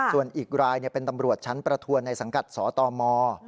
ส่วนอีกรายเป็นตำรวจชั้นประทวนในสังกัดสตม